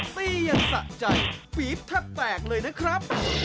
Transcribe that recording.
ตียังสะใจฟีบถ้าแปลกเลยนะครับ